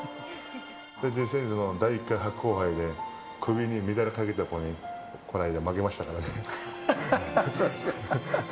実際、第１回白鵬杯で首にメダルかけた子にこの間、負けましたからね。